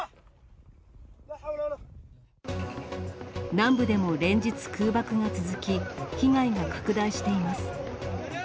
南部でも連日、空爆が続き、被害が拡大しています。